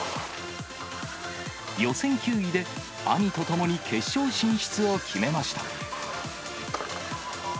予選９位で兄と共に決勝進出を決めました。